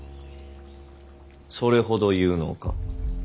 それほど有能か。